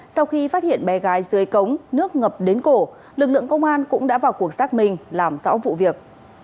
sau khi phát hiện bé gái dưới cống nước ngập đến cổ lực lượng công an cũng đã vào cuộc xác minh làm rõ vụ việc